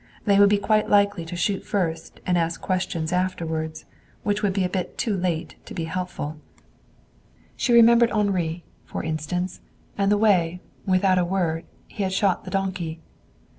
They would be quite likely to shoot first and ask questions afterwards which would be too late to be helpful. She remembered Henri, for instance, and the way, without a word, he had shot the donkey.